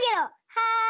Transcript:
「はい！」。